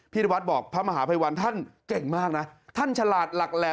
นวัดบอกพระมหาภัยวันท่านเก่งมากนะท่านฉลาดหลักแหล่